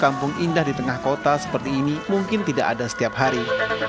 kampung indah di tengah kota seperti ini mungkin tidak ada setiap hari